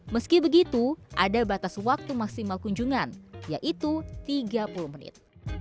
meski begitu ada batas waktu maksimal kunjungan yaitu tiga puluh menit